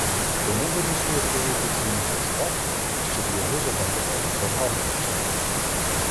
Тому вирішує прожити цей місяць так, щоб його запам'ятали за гарні вчинки.